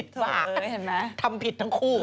เธอเลยเห็นไหมฮ่าฮ่าทำผิดทั้งคู่